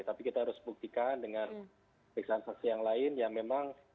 tapi kita harus buktikan dengan periksaan saksi yang lain yang memang